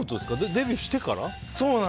デビューしてから？